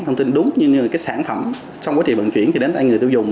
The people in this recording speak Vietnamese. thông tin đúng như cái sản phẩm xong quá trình vận chuyển thì đến người tiêu dùng